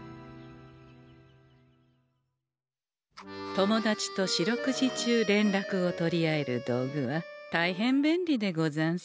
友達と四六時中連絡を取り合える道具は大変便利でござんす。